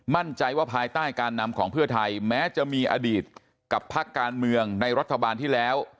มั่นใจว่าภายใต้การนำของเพื่อไทยแม้จะมีอดีตกับภาคการเมืองในรัฐบาลที่แล้ว